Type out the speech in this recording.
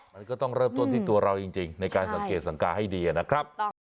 มันก็ต้องเริ่มต้นที่ตัวเราจริงในการสังเกตสังกาให้ดีนะครับ